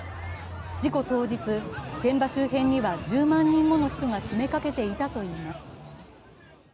事故当日、現場周辺には１０万人もの人が詰めかけていたといいます。